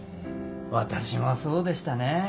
私もそうでしたね。